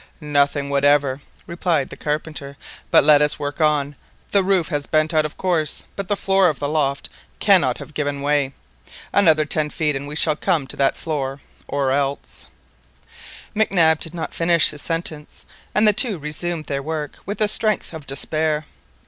"Nothing whatever," replied the carpenter, "but let us work on, the roof has bent of course, but the floor of the loft cannot have given way. Another ten feet and we shall come to that floor, or else"—— Mac Nab did not finish his sentence, and the two resumed their work with the strength of despair.